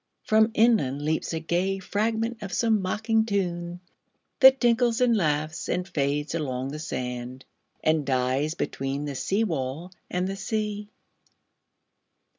From inlandLeaps a gay fragment of some mocking tune, That tinkles and laughs and fades along the sand, And dies between the seawall and the sea.